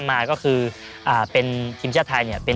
คำรู้สึกแรกเลย